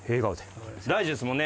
大事ですもんね。